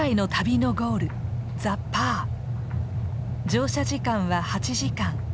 乗車時間は８時間。